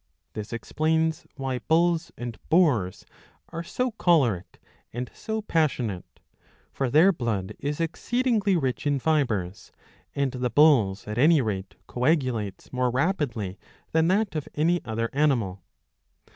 ''' This explains why bulls and boars are so choleric and so 651a. ii. 4— ii. 5 3i passionate. For their blood is exceedingly rich in fibres;^ and the bull's at any rate coagulates more rapidly than that of any other animal.